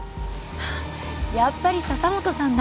やっぱり笹本さんだ。